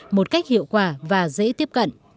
một cách hiệu quả và dễ tiếp cận